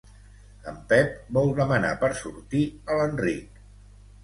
En Pep vol demanar per sortir a l'Enric.